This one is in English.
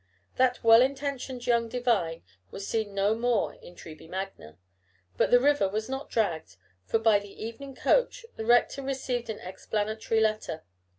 That well intentioned young divine was seen no more in Treby Magna. But the river was not dragged, for by the evening coach the rector received an explanatory letter.